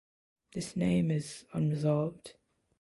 This name is unresolved.